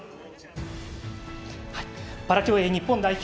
パラ競泳日本代表